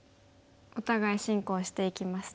お互い進行していきますね。